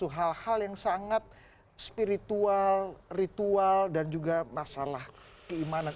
hal hal yang sangat spiritual ritual dan juga masalah keimanan